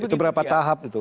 itu berapa tahap itu